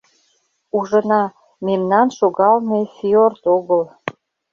Ужына — мемнан шогалме фиорд огыл.